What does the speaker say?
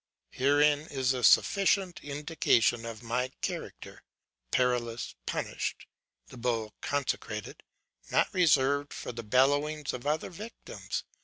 Herein is a sufficient indication of my character: Perilaus punished, the bull consecrated, not reserved for the bellowings of other victims.